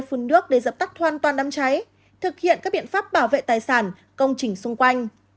phun nước để dập tắt hoàn toàn đám cháy thực hiện các biện pháp bảo vệ tài sản công trình xung quanh